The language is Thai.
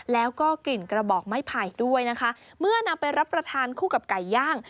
แล้วก็กลิ่นกระบอกไม้ไผ่ด้วยนะคะเมื่อนำไปรับประทานคู่กับไก่ย่าง